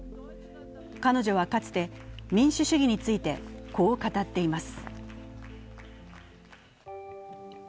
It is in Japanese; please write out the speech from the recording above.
彼女はかつて民主主義についてこう語っています。